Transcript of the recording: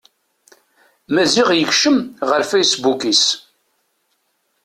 Maziɣ yekcem ɣer fasebbuk-is.